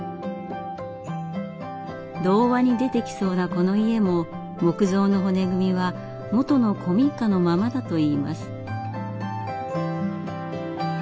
童話に出てきそうなこの家も木造の骨組みは元の古民家のままだといいます。